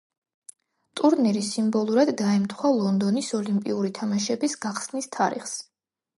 ტურნირი სიმბოლურად დაემთხვა ლონდონის ოლიმპიური თამაშების გახსნის თარიღს.